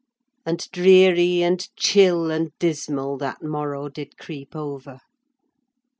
And dreary, and chill, and dismal, that morrow did creep over!